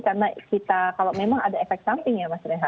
karena kita kalau memang ada efek samping ya